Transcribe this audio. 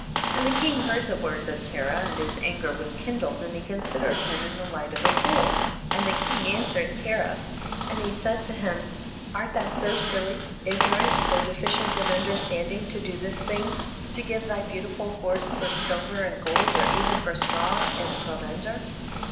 22. And the king heard the words of Terah, and his anger was kindled and he considered him in the light of a fool, 23. And the king answered Terah, and he said to him, art thou so silly, ignorant, or deficient in understand ing, to do this thing, to give thy beau tiful horse for silver and gold or even for straw and provender